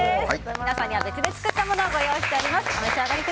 皆さんには別で作ったものをご用意しております。